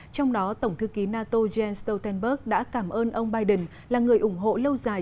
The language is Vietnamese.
trong đó tổng thư ký nato jens stoltenberg đã cảm ơn ông biden là người ủng hộ lâu dài